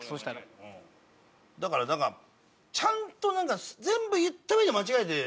だからちゃんと全部言った上で間違えて。